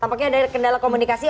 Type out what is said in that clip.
tampaknya ada kendala komunikasi